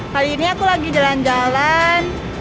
kali ini aku lagi jalan jalan